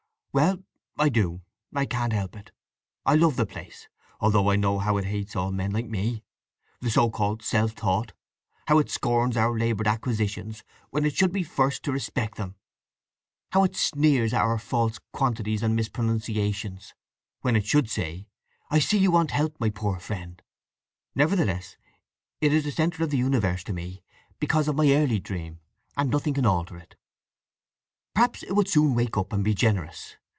"Well, I do, I can't help it. I love the place—although I know how it hates all men like me—the so called self taught—how it scorns our laboured acquisitions, when it should be the first to respect them; how it sneers at our false quantities and mispronunciations, when it should say, I see you want help, my poor friend! … Nevertheless, it is the centre of the universe to me, because of my early dream: and nothing can alter it. Perhaps it will soon wake up, and be generous.